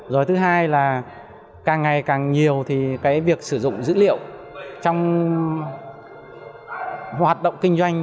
rồi thứ hai là càng ngày càng nhiều thì cái việc sử dụng dữ liệu trong hoạt động kinh doanh